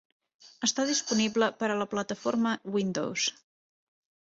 Està disponible per a la plataforma Windows.